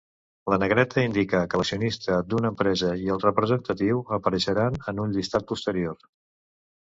La negreta indica que l'accionista d'una empresa i el representatiu apareixeran en un llistat posterior.